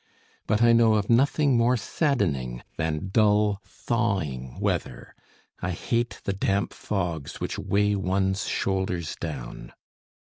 But I know of nothing more saddening than dull, thawing weather: I hate the damp fogs which weigh one's shoulders down.